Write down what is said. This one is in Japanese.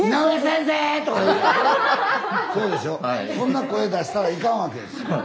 そんな声出したらいかんわけですよ。